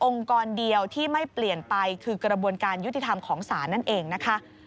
กรเดียวที่ไม่เปลี่ยนไปคือกระบวนการยุติธรรมของศาลนั่นเองนะคะ